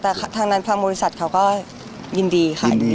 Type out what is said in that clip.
แล้วทางนั้นภารพมศษะเขาก็ยินดีค่ะ